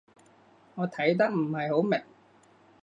我睇得唔係好明